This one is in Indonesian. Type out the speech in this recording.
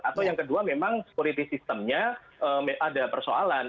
atau yang kedua memang security systemnya ada persoalan